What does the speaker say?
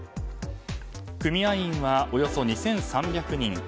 組合員はおよそ２３００人。